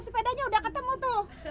sepedanya udah ketemu tuh